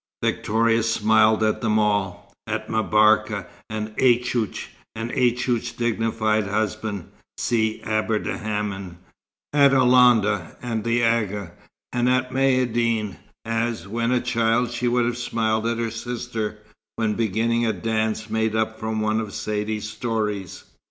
Victoria smiled at them all; at M'Barka and Aichouch, and Aichouch's dignified husband, Si Abderrhaman: at Alonda and the Agha, and at Maïeddine, as, when a child, she would have smiled at her sister, when beginning a dance made up from one of Saidee's stories.